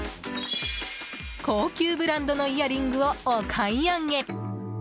高級ブランドのイヤリングをお買い上げ！